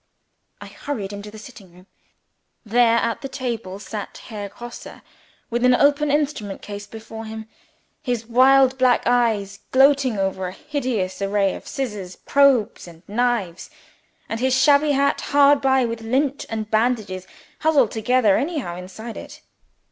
I hurried into the sitting room. There, at the table, sat Herr Grosse with an open instrument case before him; his wild black eyes gloating over a hideous array of scissors, probes, and knives, and his shabby hat hard by with lint and bandages huddled together anyhow inside it.